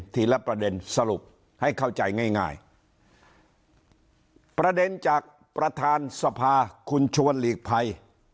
ละประเด็นสรุปให้เข้าใจง่ายง่ายประเด็นจากประธานสภาคุณชวนหลีกภัย